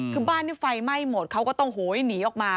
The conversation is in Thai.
คือบ้านที่ไฟไหม้หมดเขาก็ต้องโหยหนีออกมา